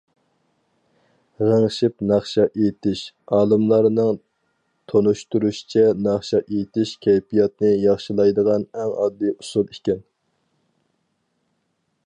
غىڭشىپ ناخشا ئېيتىش: ئالىملارنىڭ تونۇشتۇرۇشىچە، ناخشا ئېيتىش كەيپىياتنى ياخشىلايدىغان ئەڭ ئاددىي ئۇسۇل ئىكەن.